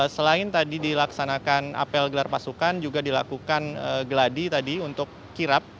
selain tadi dilaksanakan apel gelar pasukan juga dilakukan geladi tadi untuk kirap